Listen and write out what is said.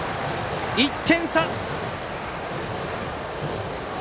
１点差。